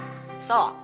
so ngebantah terus